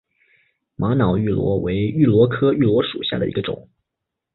玛瑙芋螺为芋螺科芋螺属下的一个种。